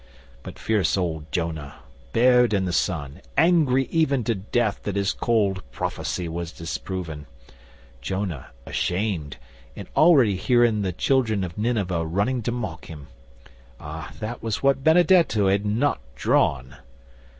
But fierce old Jonah, bared in the sun, angry even to death that his cold prophecy was disproven Jonah, ashamed, and already hearing the children of Nineveh running to mock him ah, that was what Benedetto had not drawn!